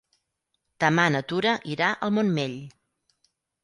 Demà na Tura irà al Montmell.